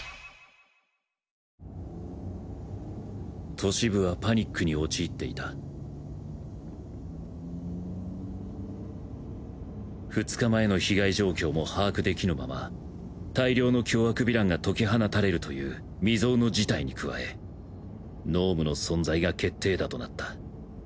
都市部はパニックに陥っていた２日前の被害状況も把握できぬまま大量の凶悪ヴィランが解き放たれるという未曾有の事態に加え脳無の存在が決定打となった。